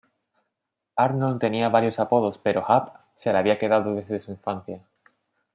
Arnold tenía varios apodos pero "Hap" se le había quedado desde su infancia.